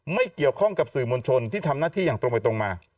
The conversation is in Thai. ไม่เกี่ยวข้องกับสื่อมวลชนที่ทำหน้าที่อย่างตรงไปตรงมา